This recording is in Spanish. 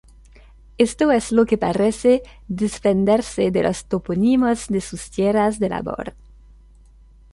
Esto es lo que parece desprenderse de los topónimos de sus tierras de labor.